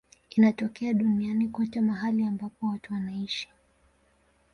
Inatokea duniani kote mahali ambapo watu wanaishi.